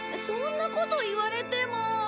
そんなこと言われても。